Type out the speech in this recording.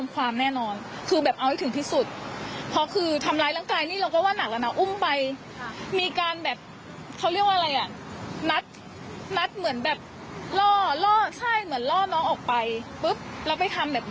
โกนผมเตะต่อยคือมันเกินไปจริงค่ะ